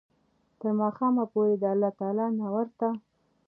تر ماښامه پوري د الله تعالی نه ورته